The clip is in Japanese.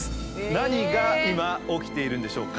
何が今起きているんでしょうか？